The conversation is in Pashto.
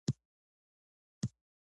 په پای کې به هغه بندي مړ کېده.